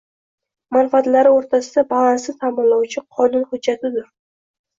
manfaatlari o‘rtasida balansni ta’minlovchi qonun hujjatidir.